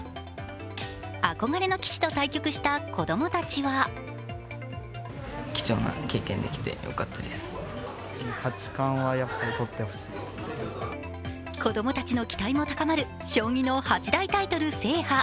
憧れの棋士と解決した子供たちは子供たちの期待も高まる将棋の八大タイトル制覇。